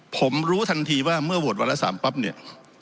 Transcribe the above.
ผมรู้ทันทีว่าเมื่อโหวตวันละ๓ปั๊บเนี่ย